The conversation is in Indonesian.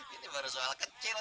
ini baru soal kecil